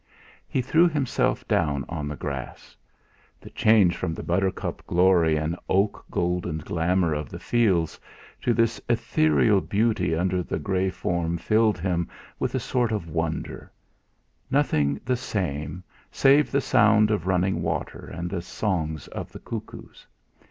He threw himself down on the grass. The change from the buttercup glory and oak goldened glamour of the fields to this ethereal beauty under the grey for filled him with a sort of wonder; nothing the same, save the sound of running water and the songs of the cuckoos.